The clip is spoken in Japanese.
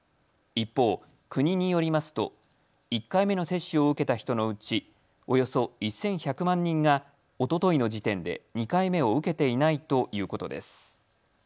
一方、国によりますと１回目の接種を受けた人のうちおよそ１１００万人がおとといの時点で２回目を受けていないということです。